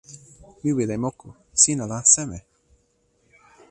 mi wile moku. sina la seme?